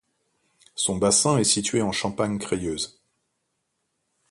Son bassin est situé en Champagne crayeuse.